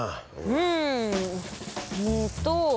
うんえっと